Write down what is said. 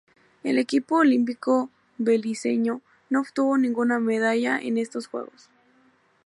El equipo olímpico beliceño no obtuvo ninguna medalla en estos Juegos.